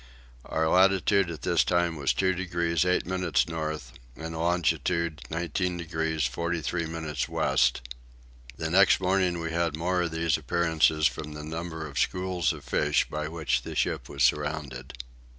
Our latitude at this time was 2 degrees 8 minutes north and longitude 19 degrees 43 minutes west. The next day we had more of these appearances from the number of schools of fish by which the ship was surrounded.